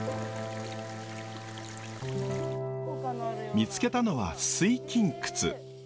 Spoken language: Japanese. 見つけたのは水琴窟。